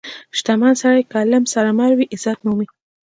• شتمن سړی که له علم سره مل وي، عزت مومي.